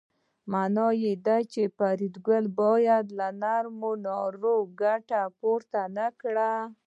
مانا دا چې فریدګل باید له نرمۍ ناوړه ګټه پورته نکړي